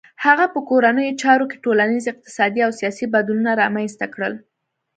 هغه په کورنیو چارو کې ټولنیز، اقتصادي او سیاسي بدلونونه رامنځته کړل.